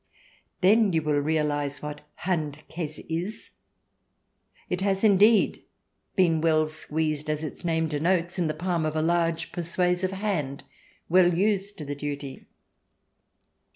Then you will realize what Handkase is. It has, indeed, been well squeezed, as its name denotes, in the palm of a large, per suasive hand, well used to the duty.